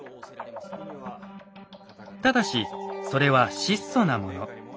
ただしそれは質素なもの。